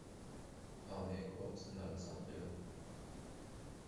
Armeekorps in Alessandria.